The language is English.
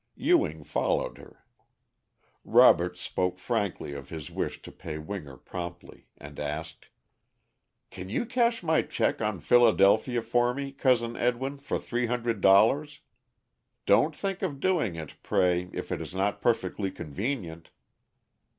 Ewing followed her. Robert spoke frankly of his wish to pay Winger promptly, and asked: "Can you cash my check on Philadelphia for me, Cousin Edwin, for three hundred dollars? Don't think of doing it, pray, if it is not perfectly convenient."